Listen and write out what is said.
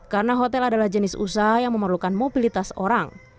karena hotel adalah jenis usaha yang memerlukan mobilitas orang